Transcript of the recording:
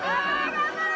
・頑張れ！